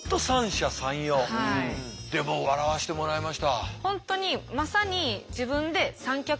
でも笑わしてもらいました。